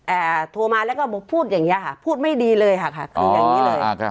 อ่าโทรมาแล้วก็พูดอย่างเงี้ค่ะพูดไม่ดีเลยค่ะค่ะคืออย่างงี้เลยอ่า